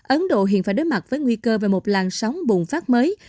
ấn độ hiện phải đối mặt với nguy cơ về một làn sóng bùng phát mới